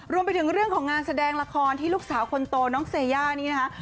รวมไปถึงเรื่องของงานแสดงละครที่ลูกสาวคนโตน้องเซย่านี้นะคะ